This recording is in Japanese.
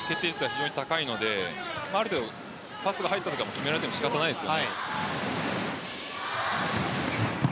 非常に高いのである程度パスが入ったら決められても仕方ないです。